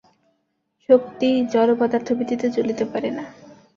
শক্তি জড়-পদার্থ ব্যতীত চলিতে পারে না।